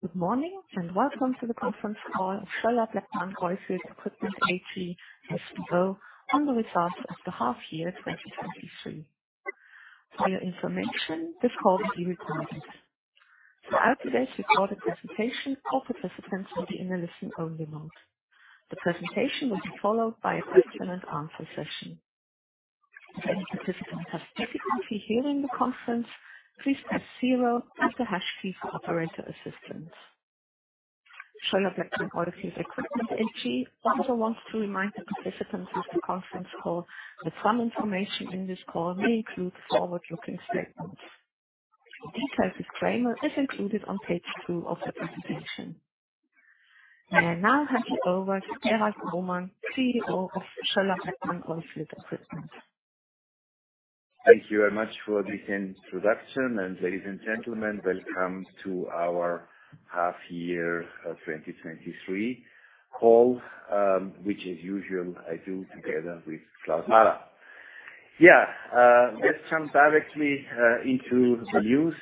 Good morning, and welcome to the conference call of Schoeller-Bleckmann Oilfield Equipment AG, SBO, on the results of the half year 2023. For your information, this call will be recorded. Throughout today's recorded presentation, all participants will be in a listen-only mode. The presentation will be followed by a question and answer session. If any participants have difficulty hearing the conference, please press zero at the hash key for operator assistance. Schoeller-Bleckmann Oilfield Equipment AG also wants to remind the participants of the conference call jet some information in this call may include forward-looking statements. A detailed disclaimer is included on page two of the presentation. I will now hand you over to Gerald Grohmann, CEO of Schoeller-Bleckmann Oilfield Equipment. Thank you very much for this introduction, and ladies and gentlemen, welcome to our half year 2023 call, which as usual, I do together with Klaus Mader. Yeah, let's jump directly into the news.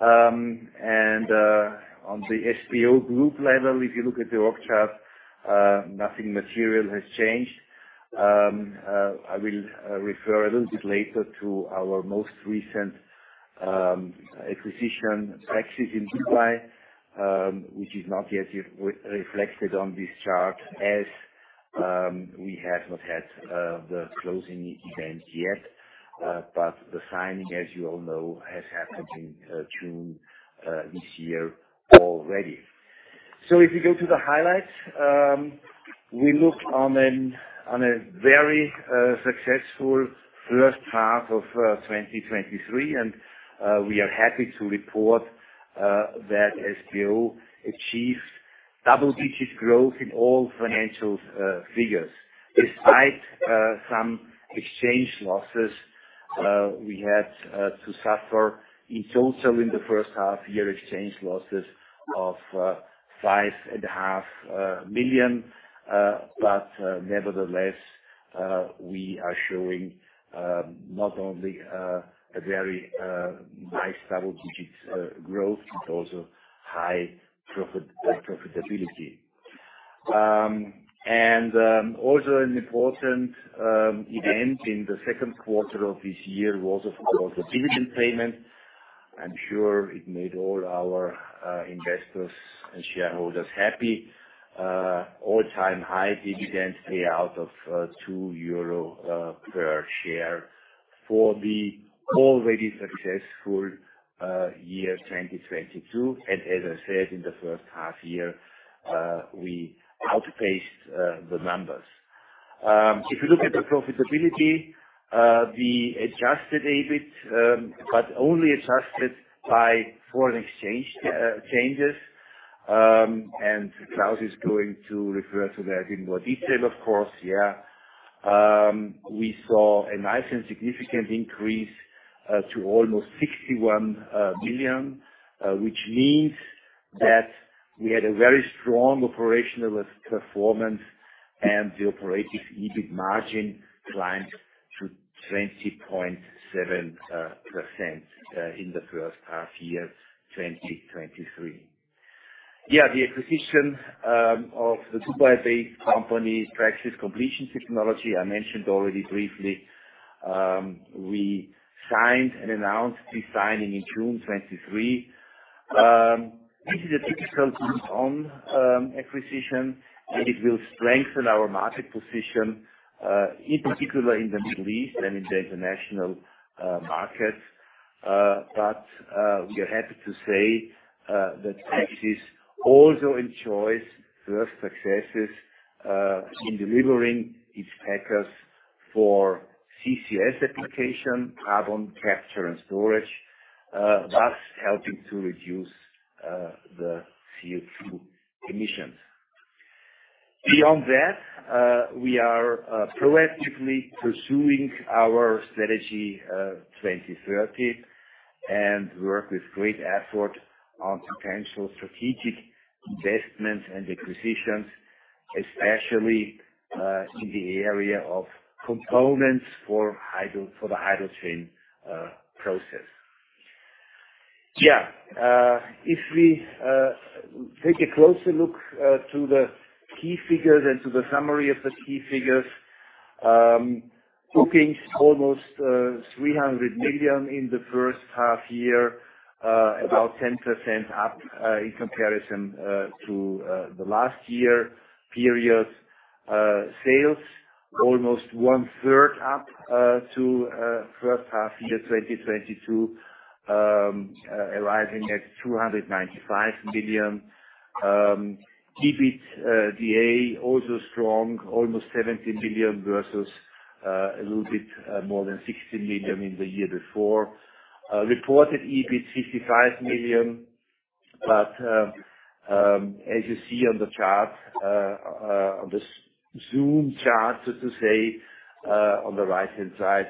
On the SBO group level, if you look at the org chart, nothing material has changed. I will refer a little bit later to our most recent acquisition, Praxis Completion Technology in Dubai, which is not yet re-reflected on this chart as we have not had the closing event yet. But the signing, as you all know, has happened in June this year already. So if you go to the highlights, we look back on a very successful H1 of 2023, and we are happy to report that SBO achieved double-digit growth in all financial figures. Despite some exchange losses we had to suffer. It's also in the H1 year exchange losses of 5.5 million. But nevertheless, we are showing not only a very high double-digit growth, but also high profitability. Also an important event in the Q2 of this year was, of course, the dividend payment. I'm sure it made all our investors and shareholders happy. All-time high dividend payout of 2 euro per share for the already successful year 2022. As I said, in the H1 year, we outpaced the numbers. If you look at the profitability, we adjusted a bit, but only adjusted by foreign exchange changes. Klaus is going to refer to that in more detail, of course, here. We saw a nice and significant increase to almost 61 million, which means that we had a very strong operational performance, and the operating EBIT margin climbed to 20.7% in the H1 year 2023. Yeah, the acquisition of the Dubai-based company, Praxis Completion Technology, I mentioned already briefly. We signed and announced the signing in June 2023. This is a typical add-on acquisition, and it will strengthen our market position in particular in the Middle East and in the international markets. But we are happy to say that Praxis also enjoys first successes in delivering its packers for CCS application, carbon capture and storage, thus helping to reduce the CO2 emissions. Beyond that, we are proactively pursuing our strategy 2030 and work with great effort on potential strategic investments and acquisitions, especially in the area of components for the hydrogen process. Yeah, if we take a closer look to the key figures and to the summary of the key figures, bookings almost 300 million in the H1 year, about 10% up in comparison to the last year periods. Sales almost one-third up to H1 year 2022, arriving at 295 million. EBITDA also strong, almost 70 million versus a little bit more than 60 million in the year before. Reported EBIT, 55 million. But as you see on the chart on the zoom chart, so to say, on the right-hand side,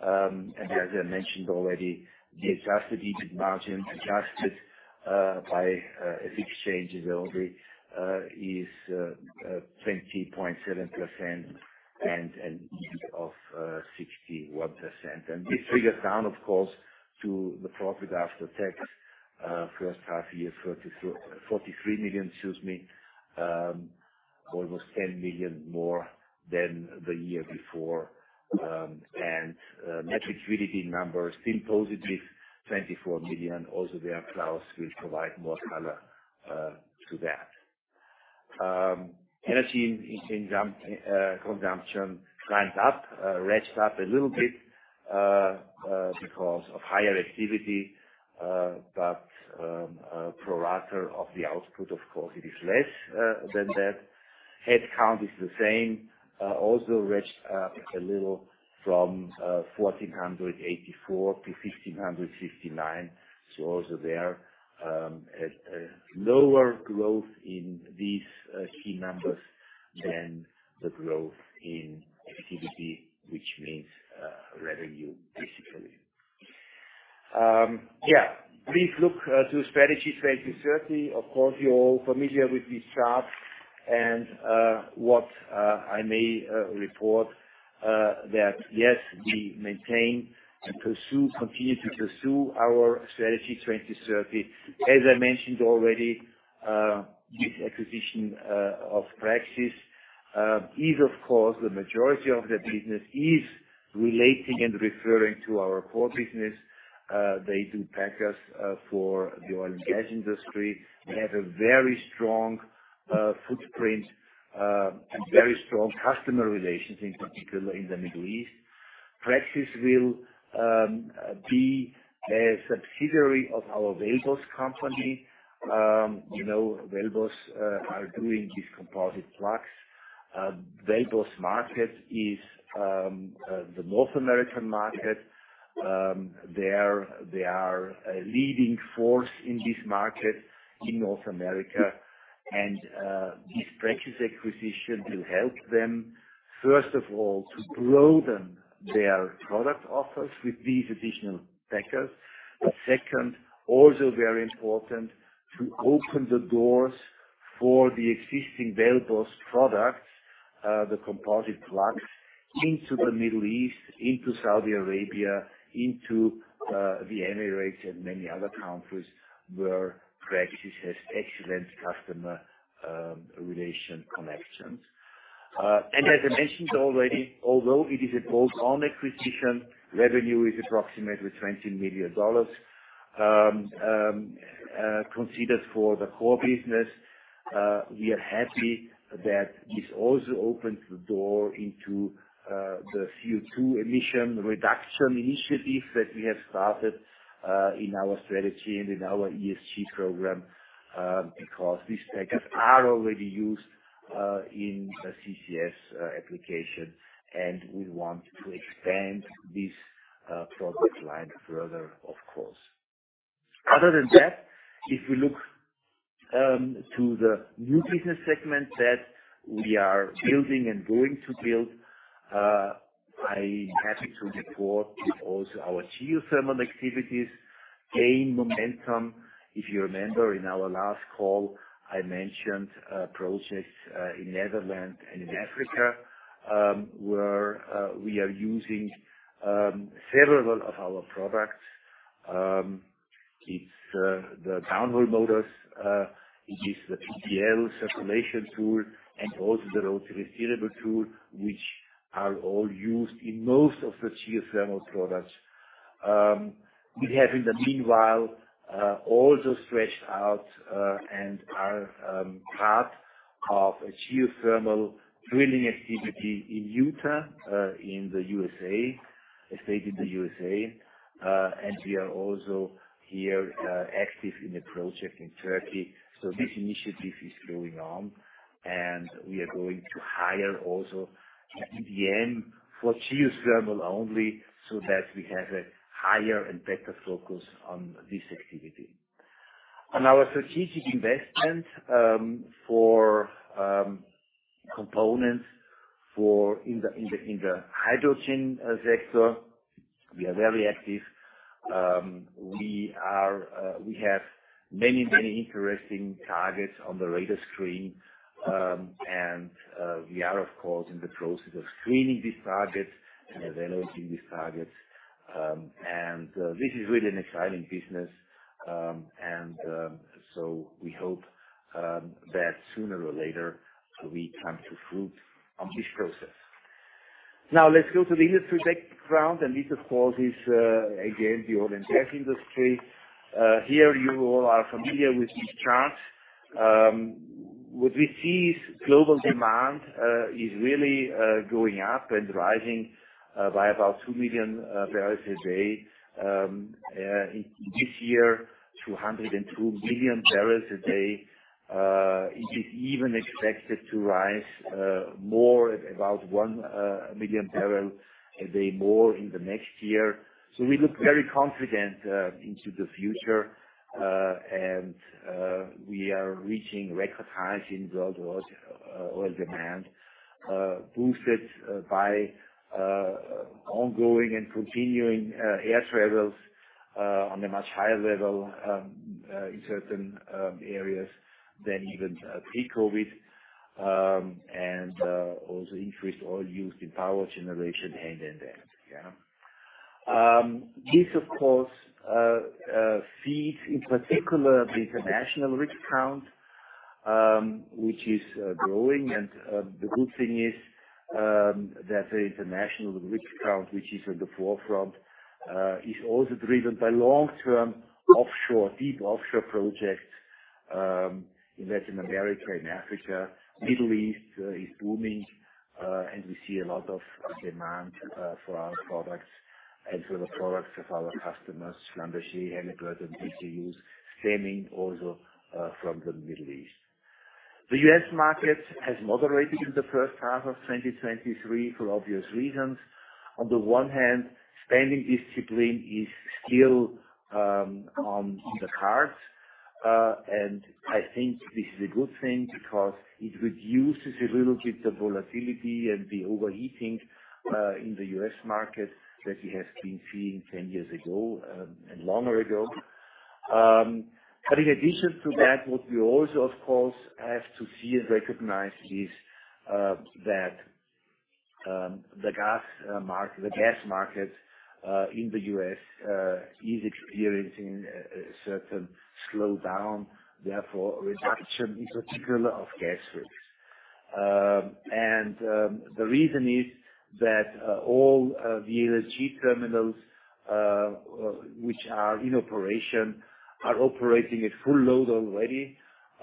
and as I mentioned already, the adjusted EBIT margin, adjusted by exchanges only, is 20.7% and an EBIT of 61%. And this figures down, of course, to the profit after tax H1 year, 43 million, excuse me, almost 10 million more than the year before. And net liquidity numbers still positive, 24 million. Also, there, Klaus will provide more color to that. Energy consumption climbed up, ratcheted up a little bit, because of higher activity. But pro rata of the output, of course, it is less than that. Headcount is the same, also ratcheted up a little from 1,484 to 1,559. So also there, a lower growth in these key numbers than the growth in activity, which means revenue, basically. Yeah, please look to Strategy 2030. Of course, you're all familiar with this chart and what I may report, that yes, we maintain and pursue, continue to pursue our Strategy 2030. As I mentioned already, this acquisition of Praxis is of course, the majority of the business is relating and referring to our core business. They do packers for the oil and gas industry. They have a very strong footprint and very strong customer relations, in particular in the Middle East. Praxis will be a subsidiary of our WellBoss company. You know, WellBoss are doing these composite plugs. WellBoss market is the North American market. They are, they are a leading force in this market in North America, and this Praxis acquisition will help them, first of all, to broaden their product offers with these additional packers. But second, also very important, to open the doors for the existing WellBoss products, the composite plugs, into the Middle East, into Saudi Arabia, into the Emirates and many other countries where Praxis has excellent customer relation connections. As I mentioned already, although it is a bolt-on acquisition, revenue is approximately $20 million, considered for the core business. We are happy that this also opens the door into the CO2 emission reduction initiative that we have started in our strategy and in our ESG program. Because these packers are already used in the CCS application, and we want to expand this product line further, of course. Other than that, if we look to the new business segment that we are building and going to build, I'm happy to report that also our geothermal activities gain momentum. If you remember, in our last call, I mentioned projects in Netherlands and in Africa, where we are using several of our products. It's the downhole motors, it is the PBL circulation tool, and also the rotary steerable tool, which are all used in most of the geothermal products. We have in the meanwhile also stretched out and are part of a geothermal drilling activity in Utah, in the USA, a state in the USA. We are also here active in a project in Turkey. So this initiative is going on, and we are going to hire also in the end for geothermal only, so that we have a higher and better focus on this activity. On our strategic investment for components in the hydrogen sector, we are very active. We are, we have many, many interesting targets on the radar screen, and we are, of course, in the process of screening these targets and evaluating these targets. This is really an exciting business. So we hope that sooner or later, we come to fruit on this process. Now, let's go to the industry background, and this, of course, is again, the oil and gas industry. Here, you all are familiar with this chart. What we see is global demand is really going up and rising by about 2 million barrels a day. This year, 202 million barrels a day. It is even expected to rise more, at about 1 million barrel a day more in the next year. So we look very confident into the future, and we are reaching record highs in global oil demand, boosted by ongoing and continuing air travels on a much higher level in certain areas than even pre-COVID. And also increased oil use in power generation and in that, yeah? This of course feeds in particular the international rig count, which is growing. And the good thing is that the international rig count, which is at the forefront, is also driven by long-term offshore, deep offshore projects in Latin America, in Africa. Middle East is booming, and we see a lot of demand for our products and for the products of our customers, Schlumberger, Halliburton, Baker Hughes, stemming also from the Middle East. The U.S. market has moderated in the H1 of 2023, for obvious reasons. On the one hand, spending discipline is still on the cards. And I think this is a good thing, because it reduces a little bit the volatility and the overheating in the U.S. market that we have been seeing 10 years ago, and longer ago. But in addition to that, what we also, of course, have to see and recognize is that the gas market in the U.S. is experiencing a certain slowdown, therefore, a reduction in particular of gas rigs. And the reason is that all the LNG terminals which are in operation are operating at full load already.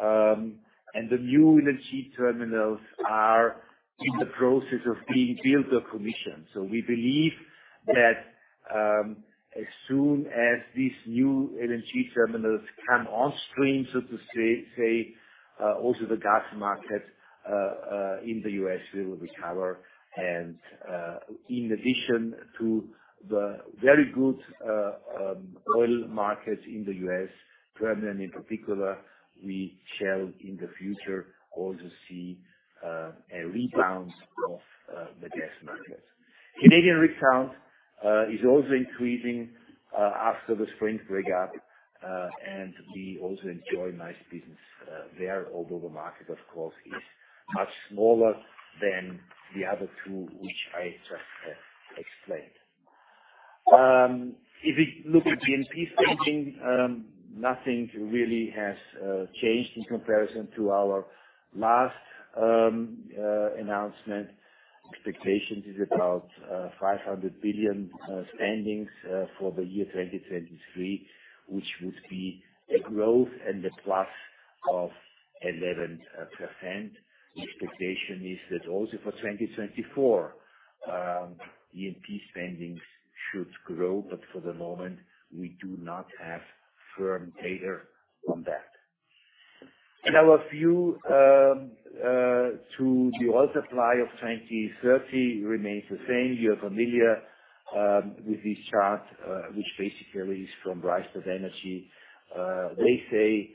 And the new LNG terminals are in the process of being built or commissioned. So we believe that, as soon as these new LNG terminals come on stream, so to say, also the gas market in the U.S. will recover. And, in addition to the very good oil market in the U.S., Permian in particular, we shall in the future also see a rebound of the gas market. Canadian rig count is also increasing after the spring breakup, and we also enjoy nice business there, although the market of course is much smaller than the other two, which I just have explained. If we look at E&P spending, nothing really has changed in comparison to our last announcement. Expectations is about $500 billion spendings for the year 2023, which would be a growth and a plus of 11%. Expectation is that also for 2024, E&P spendings should grow, but for the moment, we do not have firm data on that. And our view to the oil supply of 2030 remains the same. You're familiar with this chart, which basically is from Rystad Energy. They say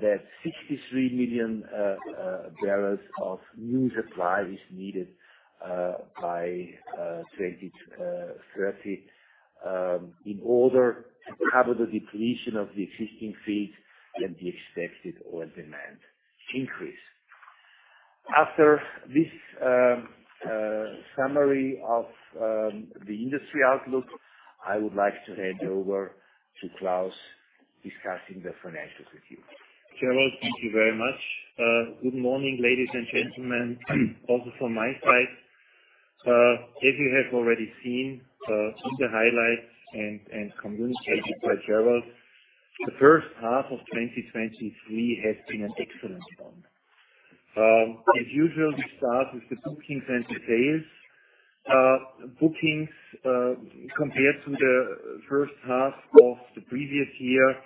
that 63 million barrels of new supply is needed by 2030 in order to cover the depletion of the existing fields and the expected oil demand increase. After this summary of the industry outlook, I would like to hand over to Klaus, discussing the financials with you. Gerald, thank you very much. Good morning, ladies and gentlemen, also from my side. As you have already seen, in the highlights and communication by Gerald, the H1 of 2023 has been an excellent one. As usual, we start with the bookings and the sales. Bookings, compared to the H1 of the previous year,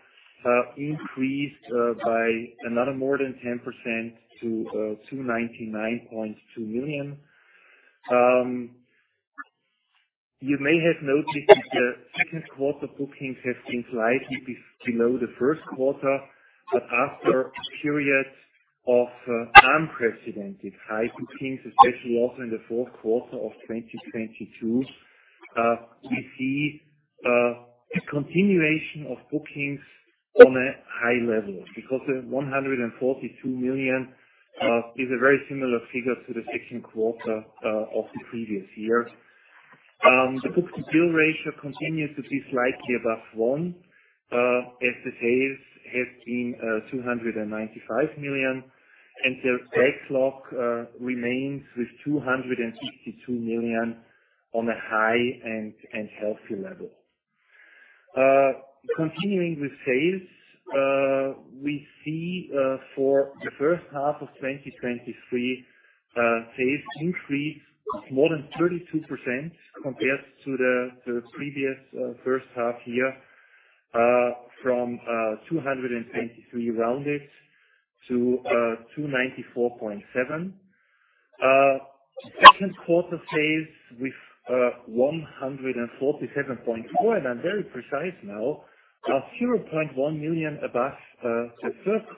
increased by another more than 10% to 299.2 million. You may have noticed that the Q2 bookings have been slightly below the Q1, but after a period of unprecedented high bookings, especially also in the Q4 of 2022, we see a continuation of bookings on a high level, because the 142 million is a very similar figure to the Q2 of the previous year. The book-to-bill ratio continues to be slightly above 1, as the sales have been 295 million, and the backlog remains with 262 million on a high and healthy level. Continuing with sales, we see for the H1 of 2023, sales increased more than 32% compared to the previous H1 year, from 223 million rounded to 294.7 million. Q2 sales with 147.4 million, and I'm very precise now, are 0.1 million above the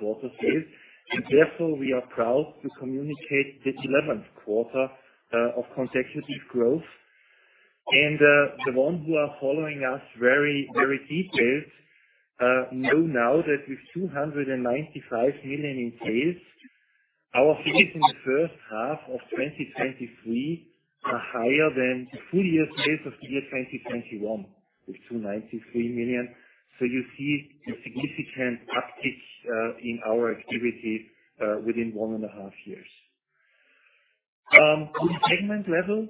Q1 sales, and therefore, we are proud to communicate the 11th quarter of consecutive growth. The ones who are following us very, very detailed know now that with 295 million in sales-... Our figures in the H1 of 2023 are higher than the full year sales of the year 2021, with 293 million. So you see a significant uptick in our activity within one and a half years. On segment level,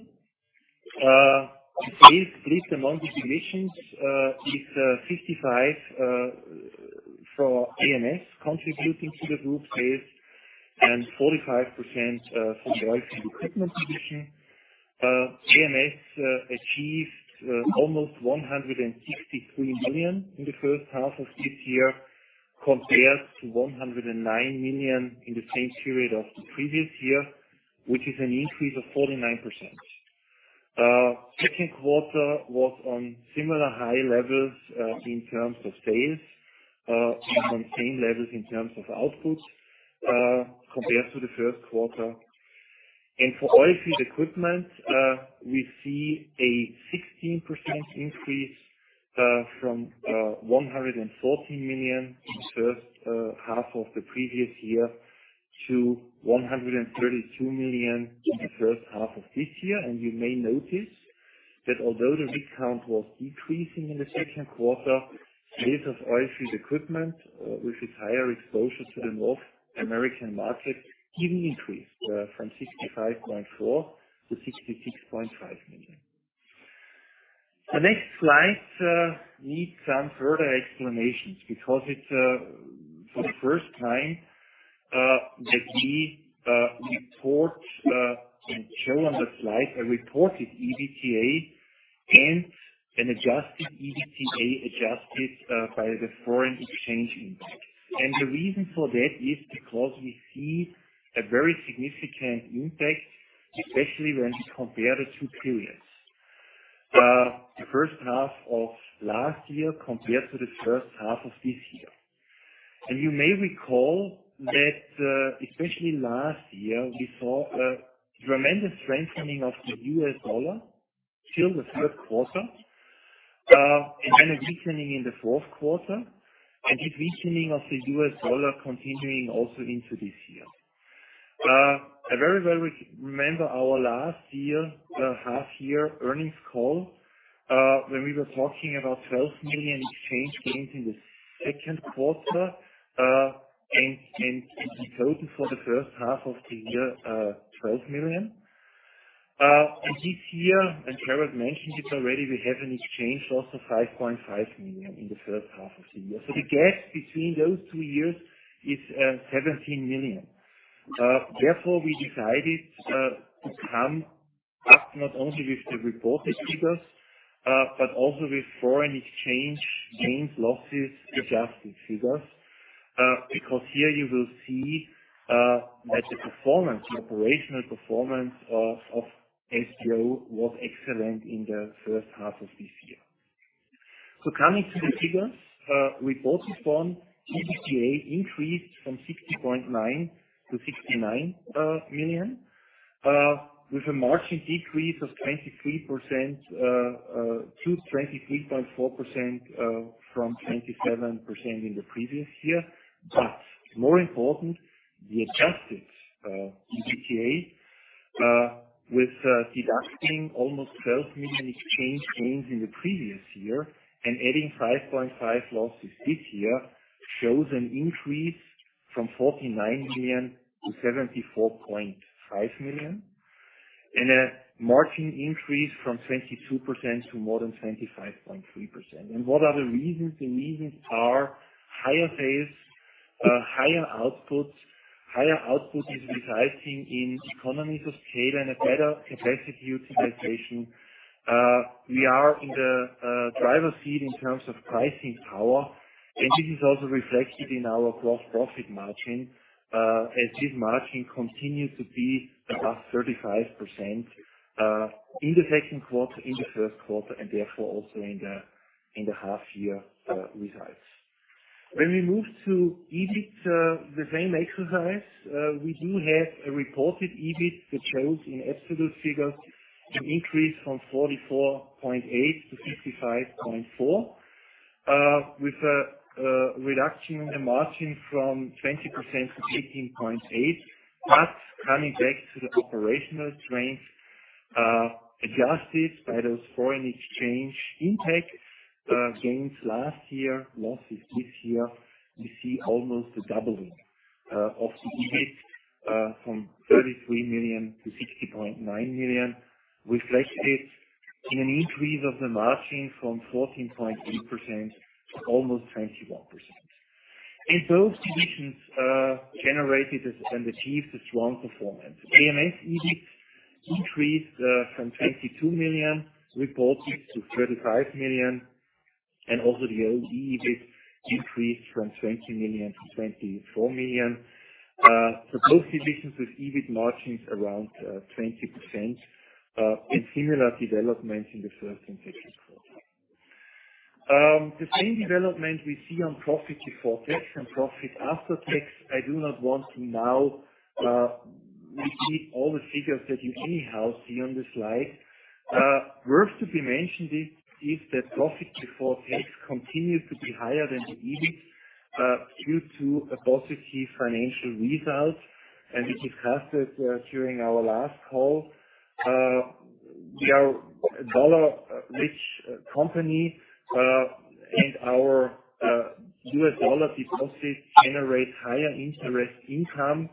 the split among divisions, is 55% for AMS contributing to the group sales, and 45% for oilfield equipment division. AMS achieved almost 163 million in the H1 of this year, compared to 109 million in the same period of the previous year, which is an increase of 49%. Q2 was on similar high levels in terms of sales, and on same levels in terms of output, compared to the Q1. For oilfield equipment, we see a 16% increase from 114-132 million in the H1 of the previous year to the H1 of this year. You may notice that although the rig count was decreasing in the Q2, sales of oilfield equipment with its higher exposure to the North American market even increased from 65.4-66.5 million. The next slide needs some further explanations, because it's for the first time that we report and show on the slide a reported EBITDA and an adjusted EBITDA, adjusted by the foreign exchange impact. The reason for that is because we see a very significant impact, especially when we compare the two periods. The H1 of last year compared to the H1 of this year. You may recall that, especially last year, we saw a tremendous strengthening of the US dollar till the Q3, and then a weakening in the Q4, and this weakening of the US dollar continuing also into this year. I very well remember our last year half year earnings call, when we were talking about 12 million exchange gains in the Q2, and in total for the H1 of the year, 12 million. And this year, and Gerald mentioned it already, we have an exchange loss of 5.5 million in the H1 of the year. So the gap between those two years is 17 million. Therefore, we decided to come up not only with the reported figures, but also with foreign exchange gains, losses, adjusted figures. Because here you will see that the performance, the operational performance of SBO was excellent in the H1 of this year. Coming to the figures, reported EBITDA increased from 60.9- 69 million, with a margin decrease of 23%-23.4%, from 27% in the previous year. But more important, the adjusted EBITDA, with deducting almost 12 million exchange gains in the previous year and adding 5.5 million losses this year, shows an increase from 49-74.5 million. And a margin increase from 22% to more than 25.3%. And what are the reasons? The reasons are higher sales, higher outputs. Higher output is resulting in economies of scale and a better capacity utilization. We are in the driver's seat in terms of pricing power, and this is also reflected in our gross profit margin, as this margin continues to be above 35%, in the Q2, in the Q1, and therefore, also in the half year results. When we move to EBIT, the same exercise, we do have a reported EBIT that shows in absolute figures, an increase from 44.8-55.4, with a reduction in the margin from 20% -18.8%. But coming back to the operational strength, adjusted by those foreign exchange impact, gains last year, losses this year, we see almost a doubling of the EBIT from 33-60.9 million. Reflected in an increase of the margin from 14.8% to almost 21%. And those divisions generated and achieved a strong performance. AMS EBIT increased from 22 million reported to 35 million, and also the OE EBIT increased from 20-24 million. So both divisions with EBIT margins around 20%, and similar development in the first and Q2. The same development we see on profit before tax and profit after tax. We see all the figures that you anyhow see on the slide. Worth to be mentioned is that profit before tax continues to be higher than the EBIT, due to a positive financial result, and we discussed it during our last call. We are a dollar-rich company, and our US dollar deposits generate higher interest income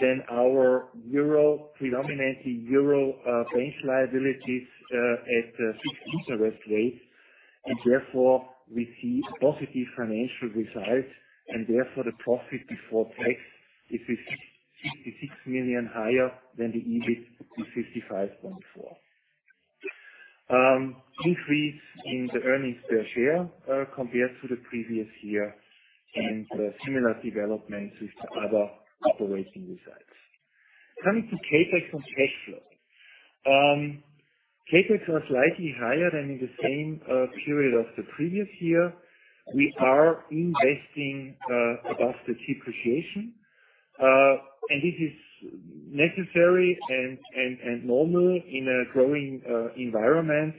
than our euro, predominantly euro, bank liabilities at fixed interest rates. And therefore, we see a positive financial result, and therefore, the profit before tax is 56 million higher than the EBIT, the 55.4 million. Increase in the earnings per share compared to the previous year, and similar developments with the other operating results. Coming to CapEx and cash flow. CapEx are slightly higher than in the same period of the previous year. We are investing above the depreciation, and this is necessary and normal in a growing environment.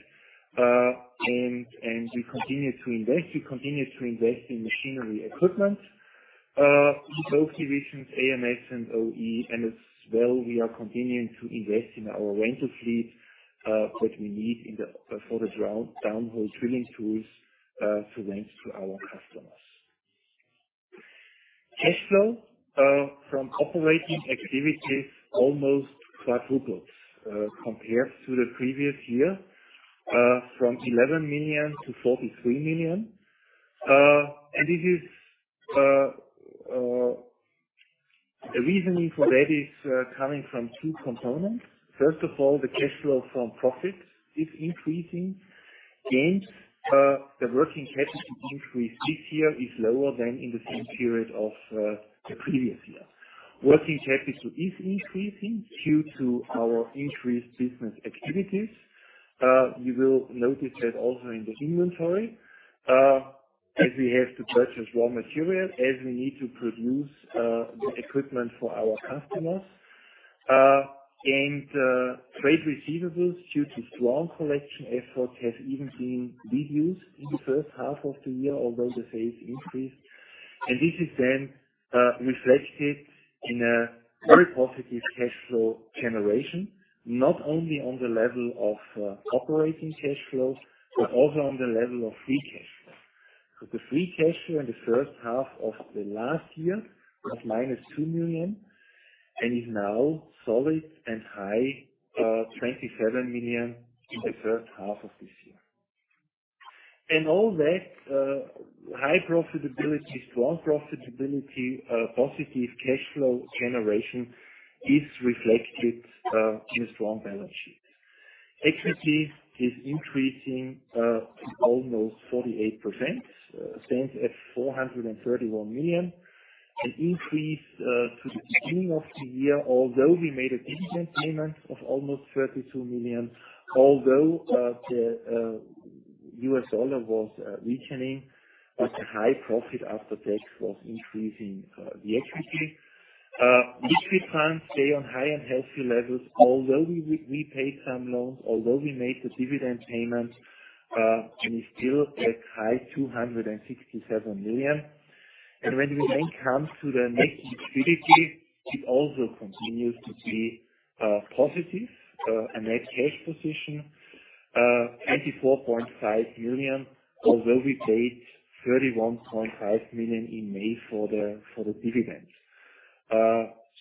We continue to invest. We continue to invest in machinery equipment in both divisions, AMS and OE, and as well, we are continuing to invest in our rental fleet that we need for the downhole drilling tools to rent to our customers. Cash flow from operating activity almost quadrupled compared to the previous year, from 11-43 million. This is the reasoning for that is coming from two components. First of all, the cash flow from profits is increasing. The working capital increase this year is lower than in the same period of the previous year. Working capital is increasing due to our increased business activities. You will notice that also in the inventory, as we have to purchase raw material, as we need to produce, the equipment for our customers. Trade receivables, due to strong collection efforts, have even been reduced in the H1 of the year, although the sales increased. This is then reflected in a very positive cash flow generation, not only on the level of operating cash flows, but also on the level of free cash flow. So the free cash flow in the H1 of the last year was minus 2 million, and is now solid and high, 27 million in the H1 of this year. All that high profitability, strong profitability, positive cash flow generation is reflected in a strong balance sheet. Equity is increasing almost 48%, stands at 431 million. An increase to the beginning of the year, although we made a dividend payment of almost 32 million, although the US dollar was weakening, but the high profit after tax was increasing the equity. Liquid funds stay on high and healthy levels, although we paid some loans, although we made a dividend payment, and we still at high 267 million. And when we then come to the net liquidity, it also continues to be positive. A net cash position 94.5 million, although we paid 31.5 million in May for the dividends.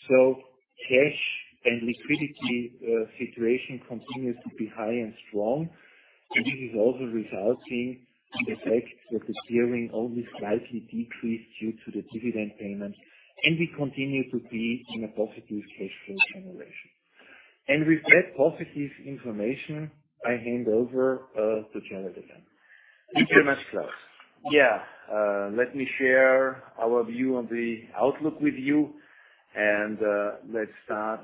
So cash and liquidity situation continues to be high and strong, and this is also resulting in the fact that the gearing only slightly decreased due to the dividend payment, and we continue to be in a positive cash flow generation. With that positive information, I hand over to Gerald again. Thank you very much, Klaus. Yeah, let me share our view on the outlook with you, and let's start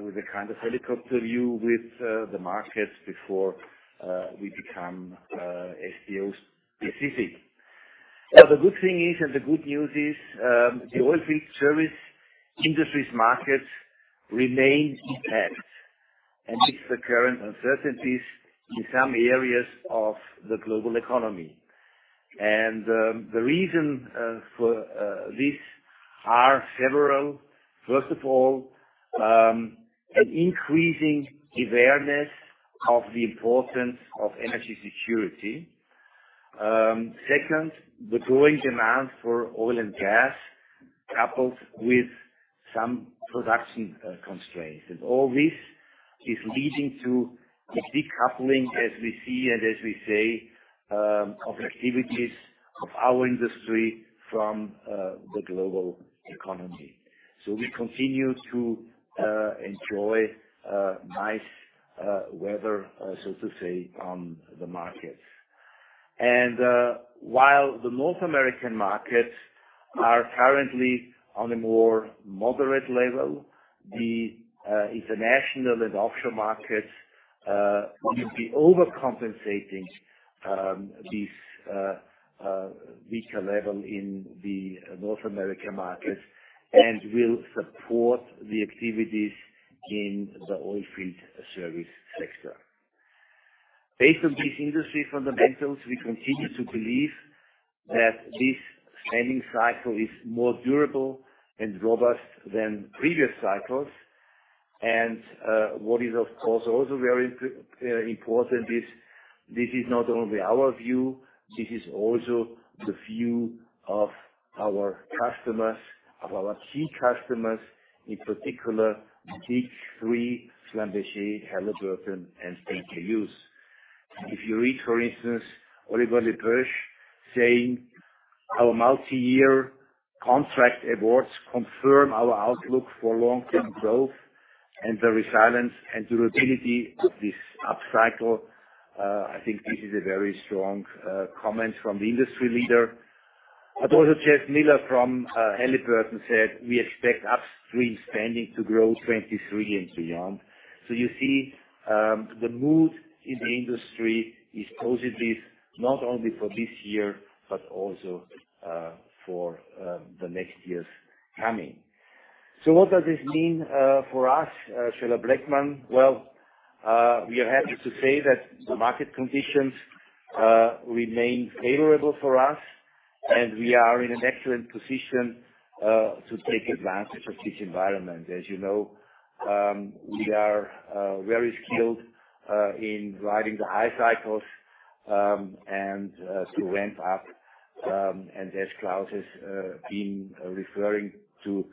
with a kind of helicopter view with the markets before we become specific. The good thing is, and the good news is, the oil field service industries markets remain intact amidst the current uncertainties in some areas of the global economy. The reason for this are several. First of all, an increasing awareness of the importance of energy security. Second, the growing demand for oil and gas, coupled with some production constraints. All this is leading to the decoupling, as we see and as we say, of the activities of our industry from the global economy. So we continue to enjoy nice weather, so to say, on the markets. While the North American markets are currently on a more moderate level, the international and offshore markets will be overcompensating this weaker level in the North America markets, and will support the activities in the oilfield service sector. Based on these industry fundamentals, we continue to believe that this spending cycle is more durable and robust than previous cycles. What is, of course, also very important is, this is not only our view, this is also the view of our customers, of our key customers, in particular, the big three, Schlumberger, Halliburton, and Hughes. If you read, for instance, Olivier Le Peuch saying: "Our multi-year contract awards confirm our outlook for long-term growth and the resilience and durability of this upcycle." I think this is a very strong comment from the industry leader. But also, Jeff Miller from Halliburton said: "We expect upstream spending to grow 2023 and beyond." So you see, the mood in the industry is positive, not only for this year, but also, for the next years coming. So what does this mean, for us, Schoeller-Bleckmann? Well, we are happy to say that the market conditions, remain favorable for us, and we are in an excellent position, to take advantage of this environment. As you know, we are, very skilled, in riding the high cycles, and, to ramp up. And as Klaus has, been referring to,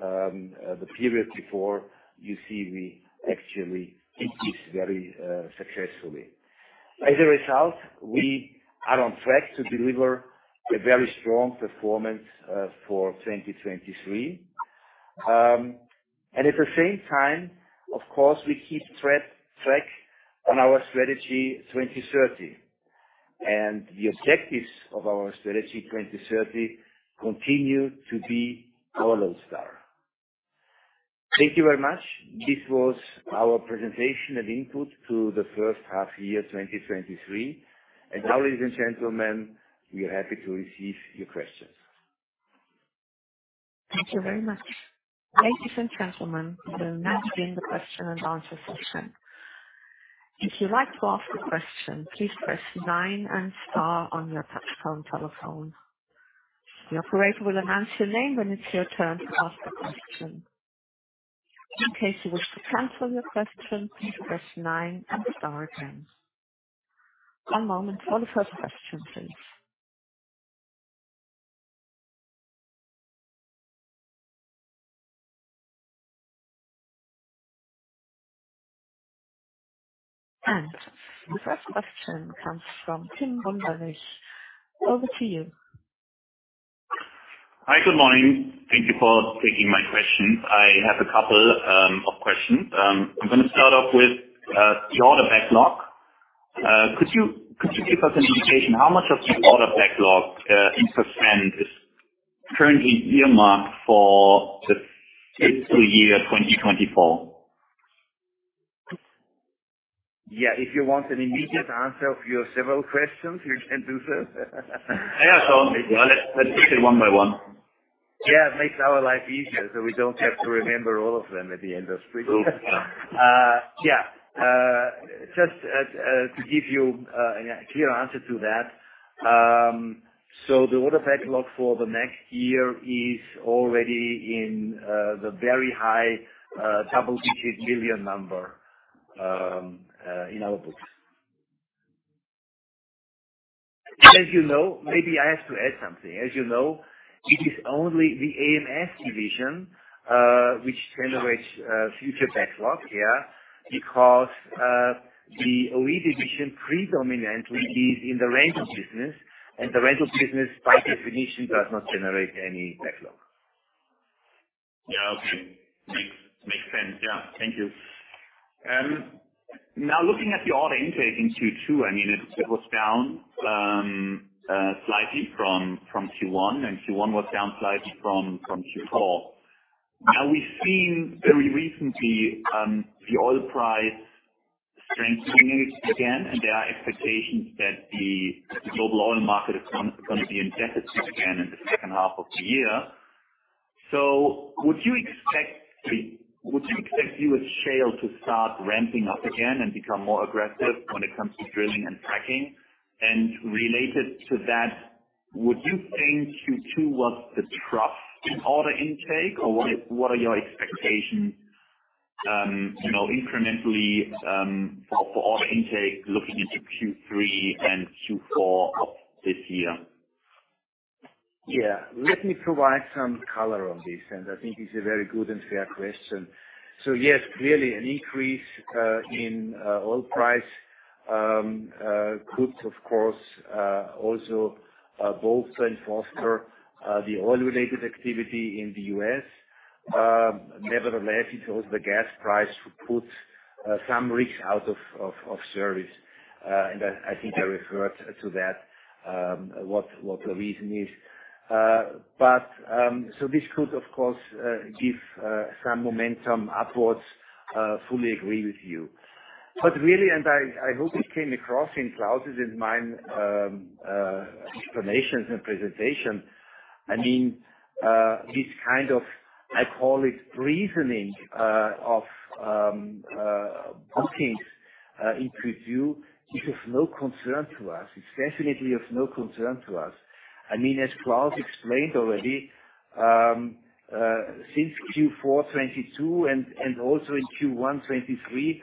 the period before, you see, we actually did this very, successfully. As a result, we are on track to deliver a very strong performance, for 2023. And at the same time, of course, we keep track on our Strategy 2030, and the objectives of our Strategy 2030 continue to be on track. Thank you very much. This was our presentation and input to the H1 year, 2023. And now, ladies and gentlemen, we are happy to receive your questions. Thank you very much. Ladies and gentlemen, we will now begin the question and answer session. If you'd like to ask a question, please press nine and star on your touchtone telephone. The operator will announce your name when it's your turn to ask the question. In case you wish to cancel your question, please press nine and star again. One moment for the first question, please. The first question comes from Tim Wunderlich. Over to you. Hi, good morning. Thank you for taking my question. I have a couple of questions. I'm gonna start off with the order backlog. Could you give us an indication how much of the order backlog in % is currently earmarked for the fiscal year 2024? Yeah, if you want an immediate answer of your several questions, you can do so. Yeah, so let's take it one by one. Yeah, it makes our life easier, so we don't have to remember all of them at the end of screen. Yeah. Just, to give you a clear answer to that, so the order backlog for the next year is already in the very high double-digit million EUR number in our books. And as you know, maybe I have to add something. As you know, it is only the AMS division which generates future backlog here, because the OE division predominantly is in the rental business, and the rental business, by definition, does not generate any backlog. Yeah, okay. Makes sense. Yeah. Thank you. Now looking at the order intake in Q2, I mean, it was down slightly from Q1, and Q1 was down slightly from Q4. Now, we've seen very recently the oil price strengthening again, and there are expectations that the global oil market is going to be in deficit again in the H2 of the year. So would you expect U.S. shale to start ramping up again and become more aggressive when it comes to drilling and fracking? And related to that, would you think Q2 was the trough in order intake, or what are your expectations, you know, incrementally, for order intake looking into Q3 and Q4 of this year? Yeah. Let me provide some color on this, and I think it's a very good and fair question. So yes, clearly, an increase in oil price could, of course, also both reinforce for the oil-related activity in the U.S. Nevertheless, it was the gas price to put some rigs out of service, and I think I referred to that, what the reason is. But so this could, of course, give some momentum upwards, fully agree with you. But really, and I hope it came across in Klaus' and mine explanations and presentation. I mean, this kind of, I call it, reasoning of bookings in Q2 is of no concern to us. It's definitely of no concern to us. I mean, as Klaus explained already, since Q4 2022 and also in Q1 2023,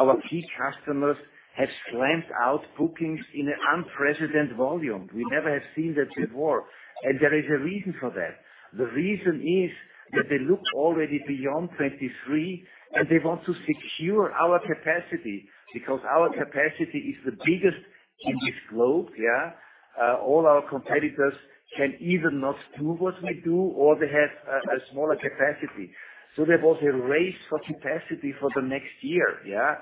our key customers have slammed out bookings in an unprecedented volume. We never have seen that before, and there is a reason for that. The reason is that they look already beyond 2023, and they want to secure our capacity because our capacity is the biggest in this globe, yeah. All our competitors can either not do what we do, or they have a smaller capacity. So there was a race for capacity for the next year, yeah?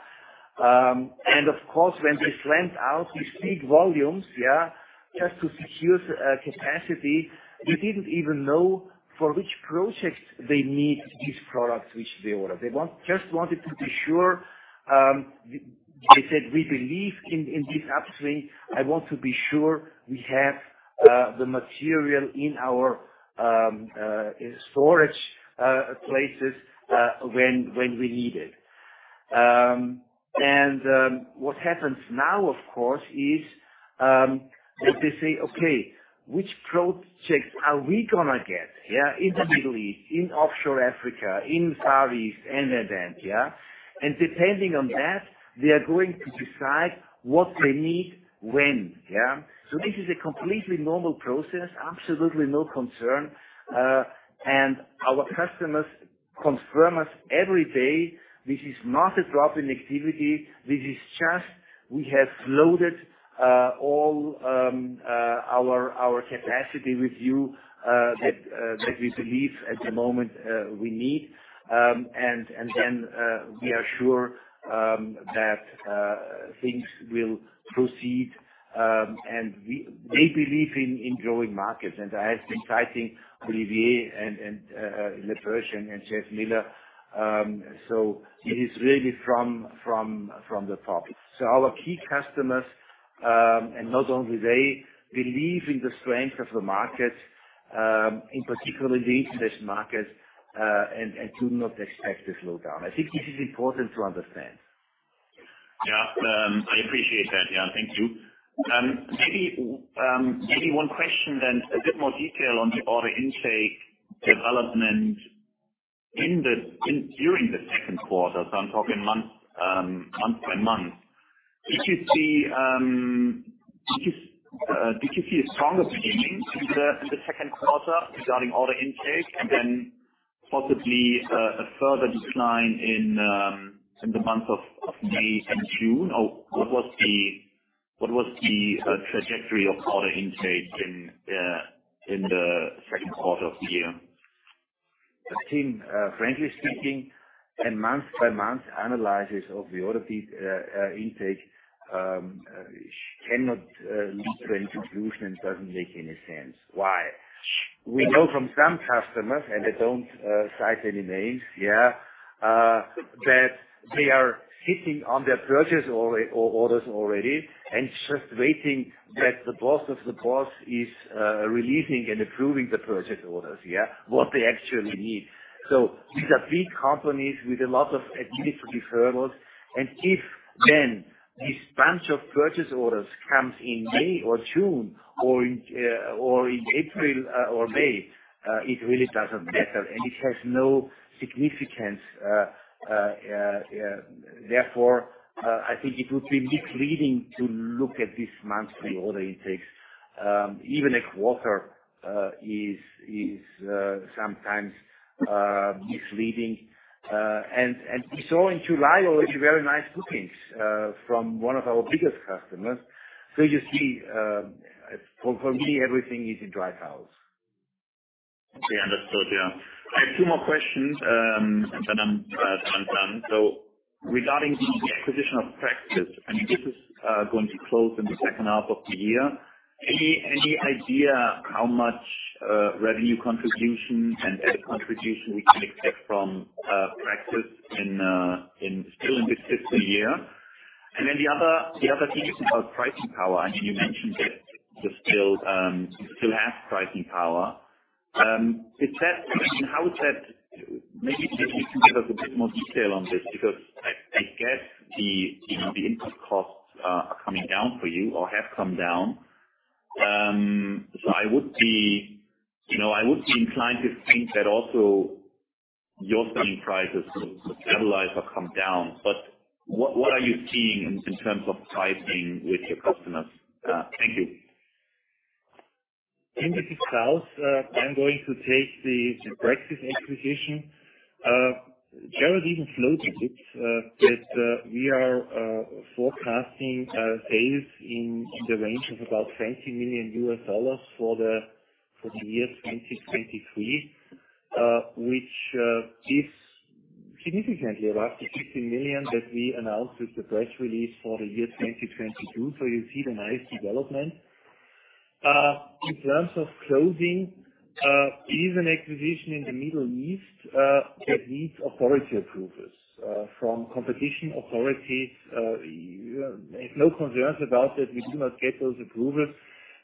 And of course, when they slammed out these big volumes, yeah, just to secure capacity, we didn't even know for which projects they need these products, which they order. They just wanted to be sure, they said, "We believe in this upswing. I want to be sure we have the material in our storage places when we need it." And what happens now, of course, is that they say: Okay, which projects are we gonna get, yeah, in the Middle East, in offshore Africa, in Far East, and Uncertain, yeah? And depending on that, they are going to decide what they need when, yeah. So this is a completely normal process. Absolutely no concern. And our customers confirm us every day, this is not a drop in activity. This is just, we have loaded all our capacity with you that we believe at the moment we need. And then we are sure that things will proceed, and we—they believe in growing markets. I have been citing Olivier Le Peuch and Jeff Miller. So it is really from the top. So our key customers, and not only they, believe in the strength of the market, in particular in this market, and do not expect a slowdown. I think this is important to understand. Yeah. I appreciate that. Yeah, thank you. Maybe one question, then a bit more detail on the order intake development in during the Q2, so I'm talking month by month. Did you see a stronger beginning in the Q2 regarding order intake? And then possibly a further decline in the month of May and June, or what was the trajectory of order intake in the Q2 of the year? I think, frankly speaking, a month-by-month analysis of the order intake cannot lead to any conclusion. It doesn't make any sense. Why? We know from some customers, and I don't cite any names, yeah, that they are sitting on their purchase orders already, and just waiting that the boss of the boss is releasing and approving the purchase orders, yeah, what they actually need. So these are big companies with a lot of administrative hurdles. And if then, this bunch of purchase orders comes in May or June, or in April or May, it really doesn't matter, and it has no significance. Therefore, I think it would be misleading to look at this monthly order intakes. Even a quarter is sometimes misleading. We saw in July already very nice bookings from one of our biggest customers. So you see, for me, everything is in dry house. Yeah, understood. Yeah. I have two more questions, and then I'm done, done. So regarding the acquisition of Praxis, I mean, this is going to be closed in the H2 of the year. Any idea how much revenue contribution and EPS contribution we can expect from Praxis in still this fiscal year? And then the other, the other thing is about pricing power. I mean, you mentioned that you still have pricing power. Is that—how is that? Maybe if you can give us a bit more detail on this, because I get the, you know, the input costs are coming down for you or have come down. So I would be, you know, I would be inclined to think that also your selling prices stabilize or come down. But what are you seeing in terms of pricing with your customers? Thank you. This is Klaus. I'm going to take the Praxis acquisition. Gerald even floated it that we are forecasting sales in the range of about $20 million for the year 2023, which this- Significantly, about 50 million that we announced with the press release for the year 2022. So you see the nice development. In terms of closing, it is an acquisition in the Middle East, that needs authority approvals, from competition authority. There's no concerns about that we do not get those approvals,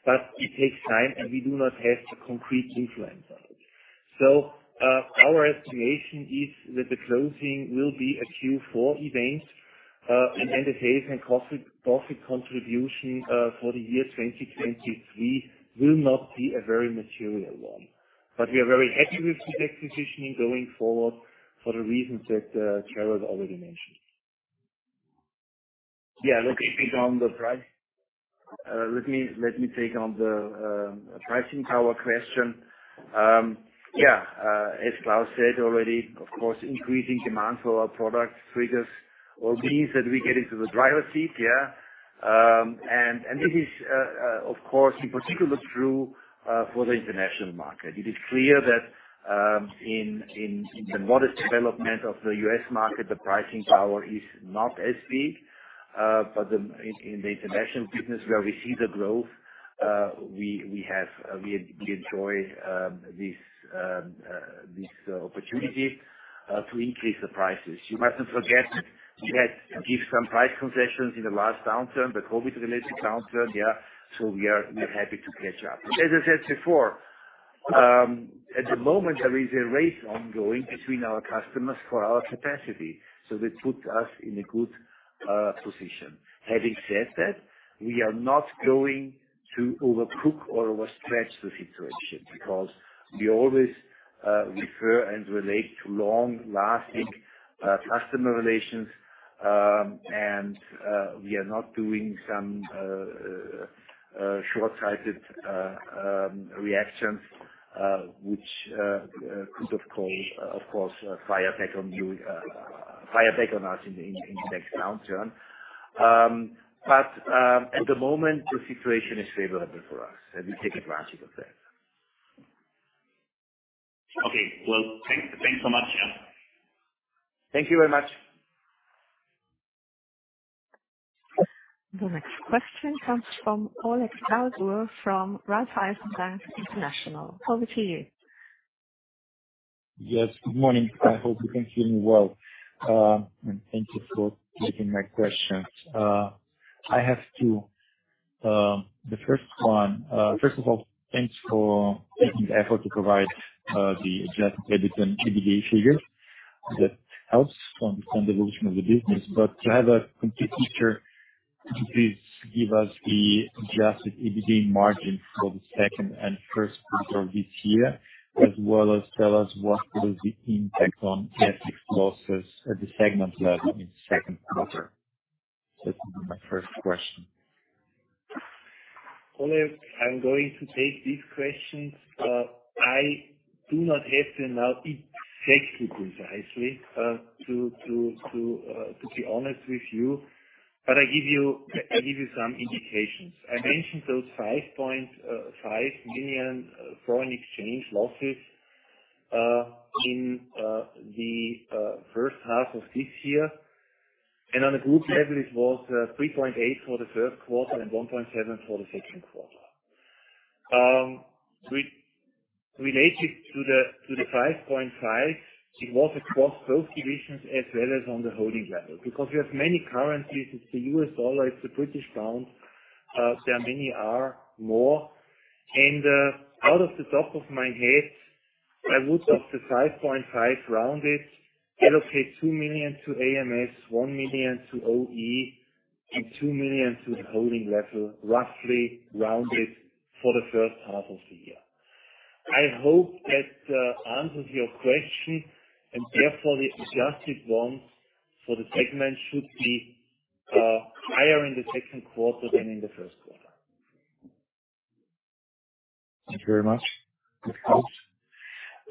but it takes time, and we do not have a concrete influence on it. So, our estimation is that the closing will be a Q4 event, and the sales and profit, profit contribution, for the year 2023 will not be a very material one. But we are very happy with the acquisition going forward for the reasons that, Charles already mentioned. Yeah, let me pick on the price. Let me take on the pricing power question. Yeah, as Klaus said already, of course, increasing demand for our products triggers or means that we get into the driver's seat, yeah? And this is, of course, in particular true for the international market. It is clear that in the modest development of the U.S. market, the pricing power is not as big, but in the international business where we see the growth, we have, we enjoy this opportunity to increase the prices. You mustn't forget that we give some price concessions in the last downturn, the COVID-related downturn, yeah. So we are, we're happy to catch up. As I said before, at the moment, there is a race ongoing between our customers for our capacity, so that put us in a good position. Having said that, we are not going to overcook or overstretch the situation, because we always refer and relate to long-lasting customer relations. And, we are not doing some short-sighted reactions, which could of course, of course, fire back on you, fire back on us in the next downturn. But, at the moment, the situation is favorable for us, and we take advantage of that. Okay. Well, thanks, thanks so much, yeah. Thank you very much. The next question comes from Oleg Galbur, from Raiffeisen Bank International. Over to you. Yes, good morning. I hope you can hear me well. Thank you for taking my questions. I have two. The first one, first of all, thanks for taking the effort to provide the adjusted EBITDA figures. That helps to understand the evolution of the business. But to have a complete picture, please give us the adjusted EBITDA margin for the second and Q1 of this year, as well as tell us what will be the impact on tax expenses at the segment level in the Q2. That's my first question. Oleg, I'm going to take these questions. I do not have them now exactly, precisely, to be honest with you, but I give you, I give you some indications. I mentioned those 5.5 million foreign exchange losses in the H1 of this year. And on a group level, it was 3.8 for the Q1 and 1.7 for the Q2. We related to the 5.5 million, it was across both divisions as well as on the holding level, because we have many currencies. It's the US dollar, it's the British pound, there are many more. Out of the top of my head, I would, of the 5.5 rounded, allocate 2 million to AMS, 1 million to OE, and 2 million to the holding level, roughly rounded for the H1 of the year. I hope that answers your question, and therefore, the adjusted ones for the segment should be higher in the Q2 than in the Q1. Thank you very much. That helps.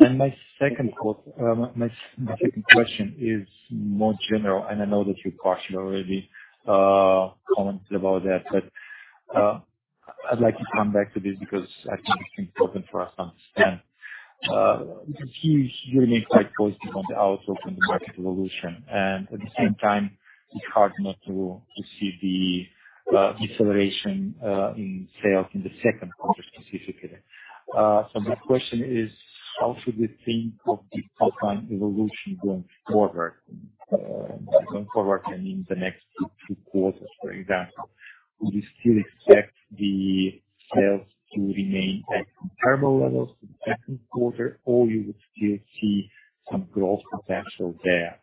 And my second question is more general, and I know that you, Klaus, already commented about that. But I'd like to come back to this because I think it's important for us to understand. You remain quite positive on the outlook on the market evolution, and at the same time, it's hard not to see the deceleration in sales in the Q2 specifically. So my question is: How should we think of the top line evolution going forward, going forward, I mean, in the next two quarters, for example? Would you still expect the sales to remain at comparable levels to the Q2, or you would still see some growth potential there?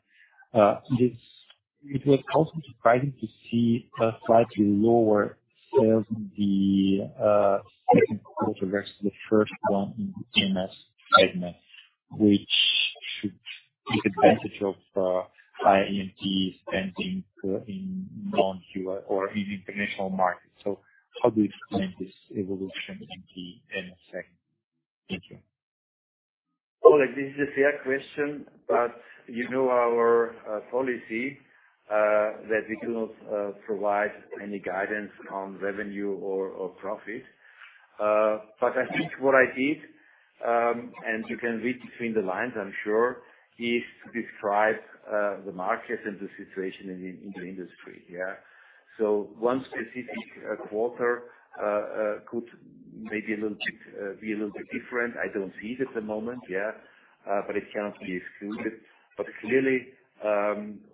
It was also surprising to see slightly lower sales in the Q2 versus the first one in the AMS segment, which should take advantage of high E&P spending in non-EU or in international markets. So how do you explain this evolution in the AMS segment? Thank you. Oleg, this is a fair question, but you know our policy that we do not provide any guidance on revenue or profit. But I think what I did, and you can read between the lines, I'm sure, is to describe the market and the situation in the, in the industry, yeah? So one specific quarter could maybe a little bit be a little bit different. I don't see it at the moment, yeah, but it cannot be excluded. But clearly,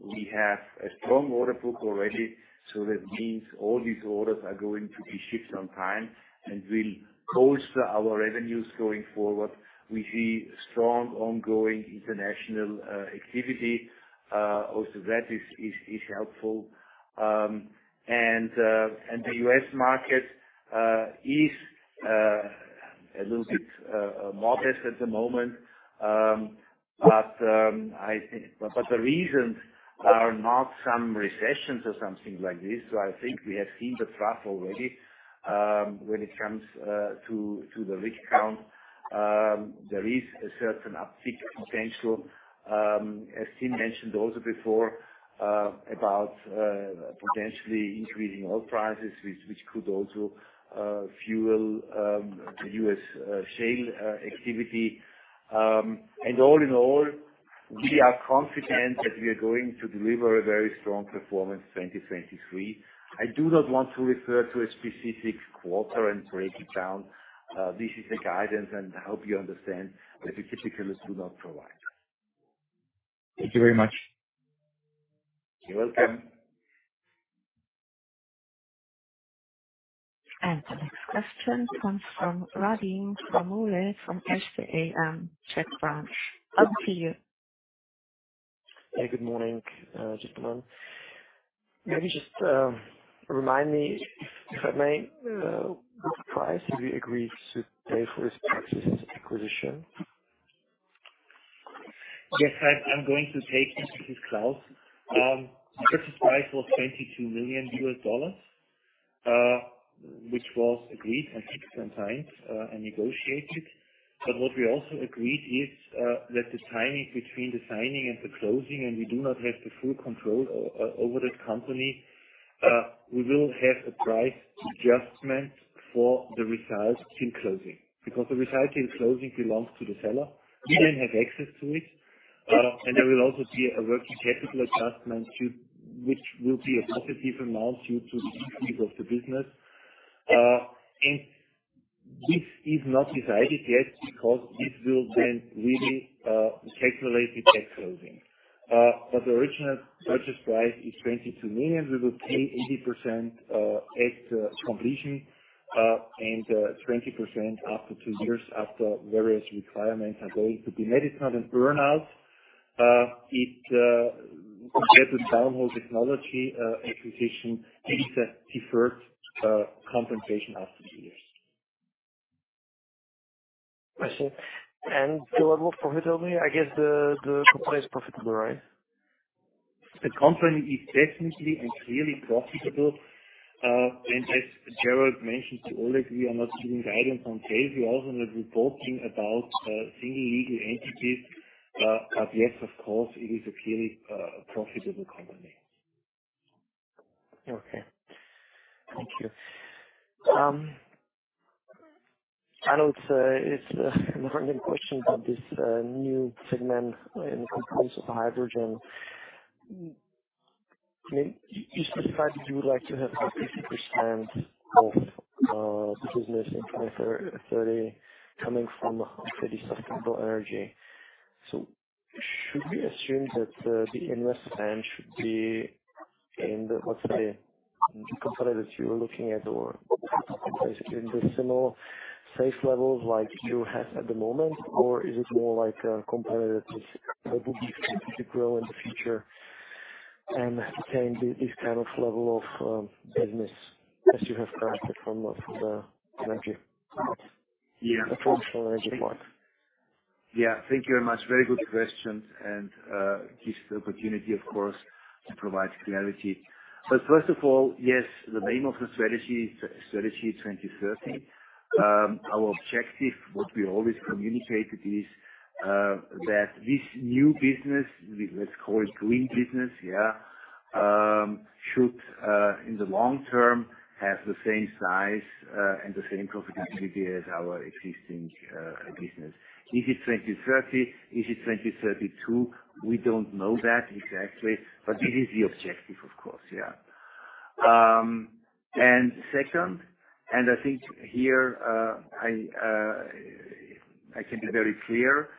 we have a strong order book already, so that means all these orders are going to be shipped on time and will boost our revenues going forward. We see strong ongoing international activity. Also that is helpful. And the US market is a little bit modest at the moment. But the reasons are not some recessions or something like this, so I think we have seen the trough already. When it comes to the rig count, there is a certain uptick potential. As Tim mentioned also before, about potentially increasing oil prices, which could also fuel the U.S. shale activity. And all in all, we are confident that we are going to deliver a very strong performance in 2023. I do not want to refer to a specific quarter and break it down. This is a guidance, and I hope you understand that we typically do not provide. Thank you very much. You're welcome. The next question comes from Radim Kramule from Erste Group. Over to you. Hey, good morning, just a moment. Maybe just, remind me, if, if I may, the price that we agreed to pay for this acquisition? Yes, I'm going to take this with Klaus. Purchase price was $22 million, which was agreed at 6x and negotiated. But what we also agreed is that the timing between the signing and the closing, and we do not have the full control over the company, we will have a price adjustment for the results till closing. Because the results till closing belongs to the seller, we didn't have access to it. And there will also be a working capital adjustment to, which will be a positive amount due to the of the business. And this is not decided yet because this will then really calculate the tax closing. But the original purchase price is $22 million. We will pay 80% at completion, and 20% after 2 years after various requirements are going to be met. It's not aearn-out. It, compared with downhole technology acquisition, it is a deferred compensation after 2 years. I see. And Gerald, what profit over here? I guess the company is profitable, right? The company is definitely and clearly profitable. As Gerald mentioned to all of you, we are not giving guidance on page. We also not reporting about single legal entities. But yes, of course, it is a clearly profitable company. Okay. Thank you. I know it's another question about this new segment in terms of hydrogen. I mean, you described you would like to have 50% of business in 2030 coming from sustainable energy. So should we assume that the invest plan should be in the, let's say, the company that you were looking at, or in the similar safe levels like you have at the moment? Or is it more like a company that is that would be to grow in the future and attain this kind of level of business as you have requested from the thank you? Yeah. Of course, energy part. Yeah. Thank you very much. Very good question, and this is the opportunity, of course, to provide clarity. But first of all, yes, the name of the strategy, Strategy 2030, our objective, what we always communicated is that this new business, let's call it green business, yeah, should in the long term have the same size and the same profitability as our existing business. Is it 2030? Is it 2032? We don't know that exactly, but it is the objective, of course, yeah. And second, and I think here I can be very clear,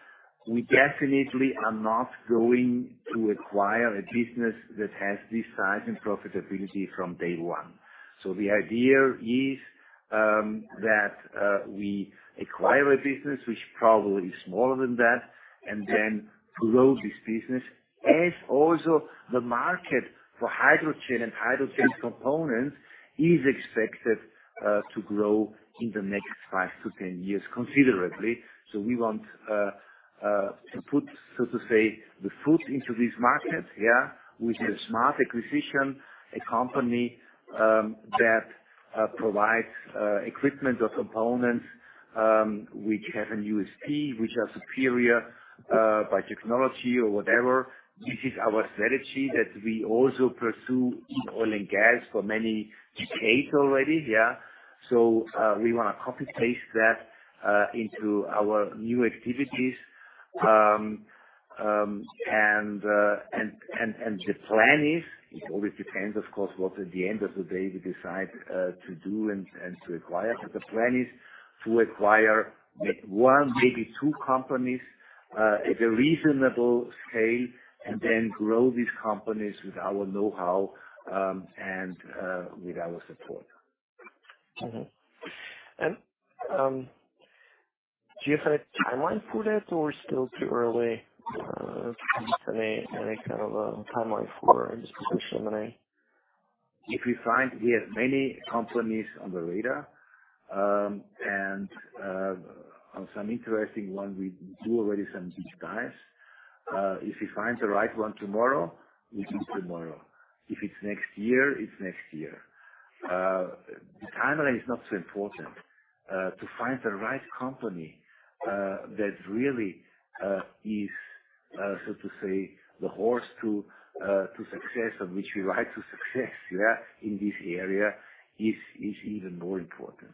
we definitely are not going to acquire a business that has this size and profitability from day one. So the idea is, that, we acquire a business which probably is smaller than that, and then grow this business, as also the market for hydrogen and hydrogen components is expected, to grow in the next 5-10 years considerably. So we want, to put, so to say, the foot into this market, yeah, with a smart acquisition, a company, that, provides, equipment or components, which have a USP, which are superior, by technology or whatever. This is our strategy that we also pursue in oil and gas for many decades already, yeah. So, we want to copy paste that, into our new activities. And, the plan is, it always depends, of course, what at the end of the day we decide, to do and, to acquire. The plan is to acquire one, maybe two companies at a reasonable scale and then grow these companies with our know-how and with our support. Mm-hmm. And, do you have a timeline for that or still too early, any kind of a timeline for this potential money? If we find we have many companies on the radar, on some interesting one, we do already some deep dives. If we find the right one tomorrow, it is tomorrow. If it's next year, it's next year. The timeline is not so important. To find the right company, that really is, so to say, the horse to success, on which we ride to success, in this area, is even more important.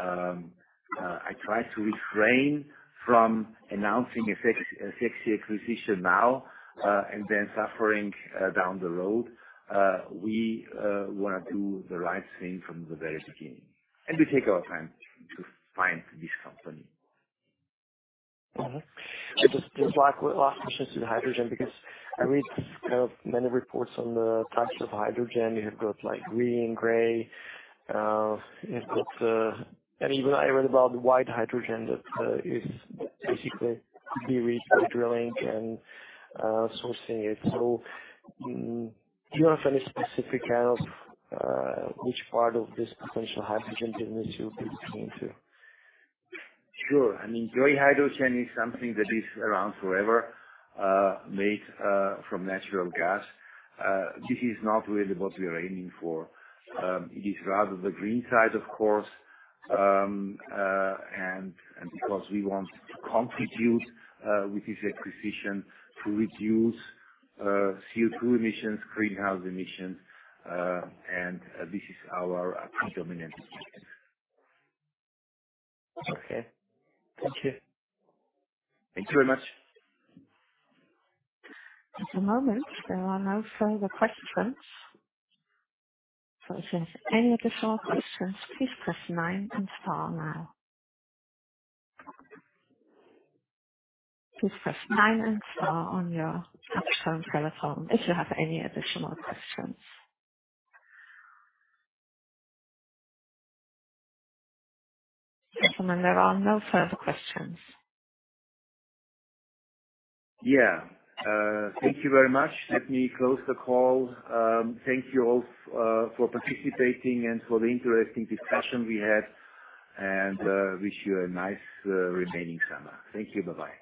I try to refrain from announcing a sexy acquisition now, and then suffering down the road. We want to do the right thing from the very beginning, and we take our time to find this company. Mm-hmm. I just last question to the hydrogen, because I read many reports on the types of hydrogen. You have got like green, gray, you have got... And even I read about the white hydrogen that is basically be reached by drilling and sourcing it. So, do you have any specific kind of which part of this potential hydrogen business you'll be looking into? Sure. I mean, gray hydrogen is something that is around forever, made from natural gas. This is not really what we are aiming for. It is rather the green side, of course. And because we want to contribute with this acquisition to reduce CO2 emissions, greenhouse emissions, and this is our predominant focus. Okay. Thank you. Thank you very much. At the moment, there are no further questions. So if you have any additional questions, please press nine and star now. Please press nine and star on your touch-tone telephone if you have any additional questions. Gentlemen, there are no further questions. Yeah. Thank you very much. Let me close the call. Thank you all for participating and for the interesting discussion we had, and wish you a nice remaining summer. Thank you. Bye-bye.